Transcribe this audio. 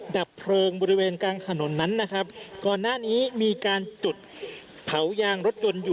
ดับเพลิงบริเวณกลางถนนนั้นนะครับก่อนหน้านี้มีการจุดเผายางรถยนต์อยู่